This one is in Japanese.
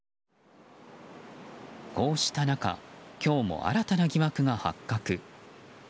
こうした中今日も新たな疑惑が発覚。